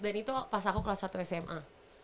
dan itu pas aku kelas satu sma